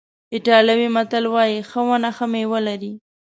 ایټالوي متل وایي ښه ونه ښه میوه لري.